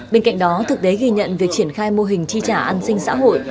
bên cạnh đó thực tế ghi nhận việc triển khai mô hình tri trả an sinh xã hội